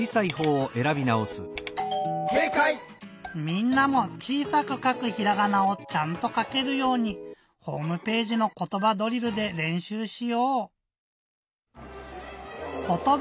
みんなも「ちいさくかくひらがな」をちゃんとかけるようにホームページの「ことばドリル」でれんしゅうしよう！